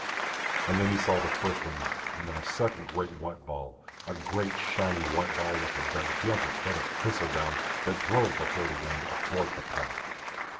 And then he saw first one and then a second great white ball, a great shining white ball like a gigantic head of thistle down, that drove before the wind athwart the path.